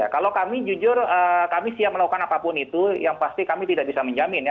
kalau kami jujur kami siap melakukan apapun itu yang pasti kami tidak bisa menjamin ya